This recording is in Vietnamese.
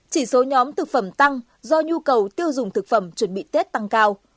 chỉ số nhóm thực phẩm tăng do nhu cầu tiêu dùng thực phẩm chuẩn bị tết tăng cao